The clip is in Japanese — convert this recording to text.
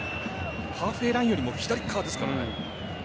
ハーフウェーラインよりも左側ですから。